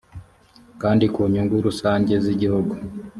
kandi ku nyungu rusange z igihugu